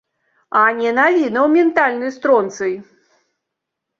А не навінаў ментальны стронцый!